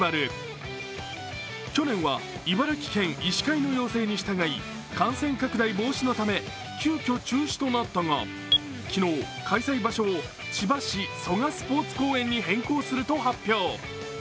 去年は茨城県医師会の要請に従い、感染拡大防止のため急きょ中止となったが、昨日、開催場所を千葉市蘇我スポーツ公園に変更すると発表。